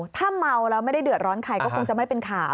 ถ้าเมาแล้วไม่ได้เดือดร้อนใครก็คงจะไม่เป็นข่าว